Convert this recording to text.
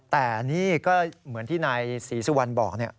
แต่นี่ก็เหมือนที่นายศรีสุวรรณบอก